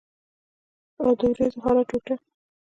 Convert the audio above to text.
او د اوریځو هره ټوټه